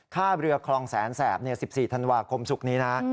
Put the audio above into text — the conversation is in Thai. ค่าเรือคลองแสนแสบ๑๔ธันวาคมศุกร์นี้นะ